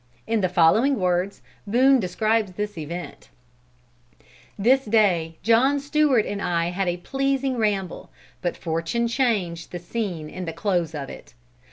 In the following words Boone describes this event: "This day John Stewart and I had a pleasing ramble, but fortune changed the scene in the close of it.